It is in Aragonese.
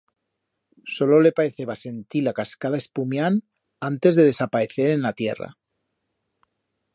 Solo le paeceba sentir la cascada espumiand antes de desapaecer en la tierra.